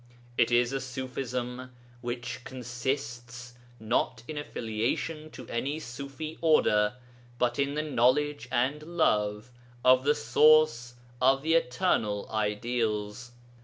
It is a Ṣufism which consists, not in affiliation to any Ṣufi order, but in the knowledge and love of the Source of the Eternal Ideals.